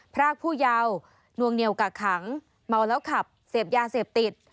พรากผู้เยาว์วงเหนียวกักขังเมาแล้วขับเสพยาเสพติด